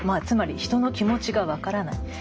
つまり人の気持ちが分からない。